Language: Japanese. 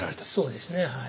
そうですねはい。